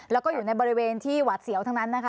แล้วก็อยู่ในบริเวณที่หวัดเสียวทั้งนั้นนะคะ